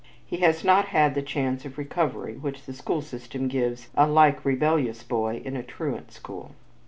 He has not had the chance of recovery which the school system gives a like rebellious boy in a truant school.